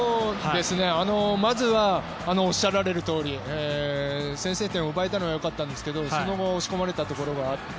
まずはおっしゃられたとおり先制点を奪えたのは良かったんですけどその後押し込まれたところもあって。